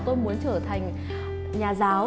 tôi muốn trở thành nhà giáo